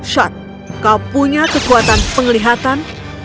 shad kau punya kekuatan penglihatan